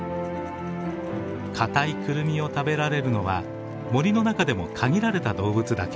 固いクルミを食べられるのは森の中でも限られた動物だけ。